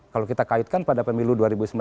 kalau kita kaitkan pada pemilu dua ribu sembilan belas